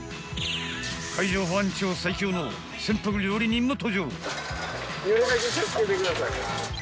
海上保安庁最強の船舶料理人が登場。